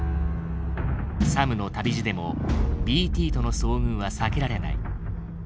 サムの旅路でもＢＴとの遭遇は避けられない。